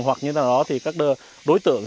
hoặc như thế nào đó thì các đối tượng